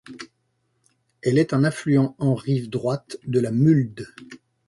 Elle est un affluent en rive droite de la Mulde.